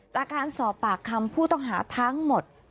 จากการสอบปากคำผู้ต้องหาทั้งหมด